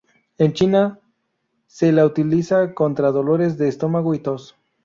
En China se la utiliza contra dolores de estómago y tos.